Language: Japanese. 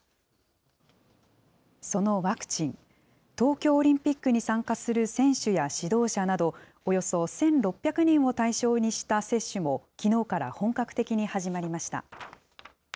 そのワクチン、東京オリンピックに参加する選手や指導者などおよそ１６００人を対象にした接種もきのうから本格的に始まりました。